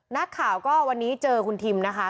นักข่าวก็วันนี้เจอคุณทิมนะคะ